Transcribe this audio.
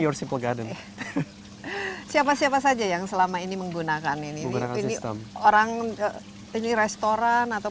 your sipogade siapa siapa saja yang selama ini menggunakan ini ini orang ini restoran atau